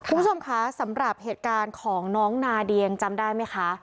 คุณผู้ชมคะสำหรับเหตุการณ์ของน้องนาเดียงจำได้ไหมคะ